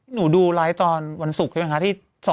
หนูดูไลฟ์ตอนวันศุกร์ใช่ไหมคะ